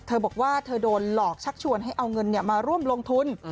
บอกว่าเธอโดนหลอกชักชวนให้เอาเงินมาร่วมลงทุน